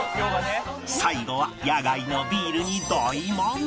最後は野外のビールに大満足！